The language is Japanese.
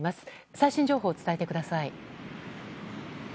最新情報を伝えてください。